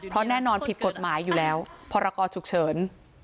เพราะแน่นอนผิดกฎหมายอยู่แล้วพรกรฉุกเฉิน